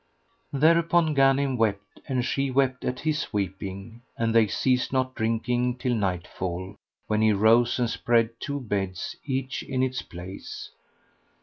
Thereupon Ghanim wept and she wept at his weeping, and they ceased not drinking till nightfall, when he rose and spread two beds, each in its place.